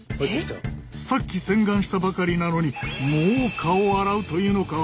さっき洗顔したばかりなのにもう顔を洗うというのか？